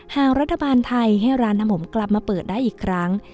หากรัฐบาลไทยให้ร้านน้ำผมกลับมาเปิดได้อีกครั้ง